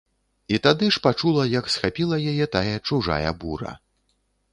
І тады ж пачула, як схапіла яе тая чужая бура.